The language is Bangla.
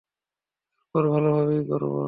তারপর ভালোভাবেই করবো।